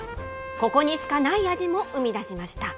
ここにしかない味も生み出しました。